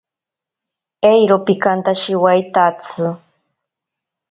Eiro pikantashiwaitatsi.